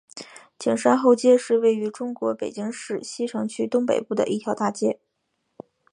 景山后街是位于中国北京市西城区东北部的一条大街。